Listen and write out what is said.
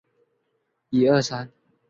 岩生香薷为唇形科香薷属下的一个种。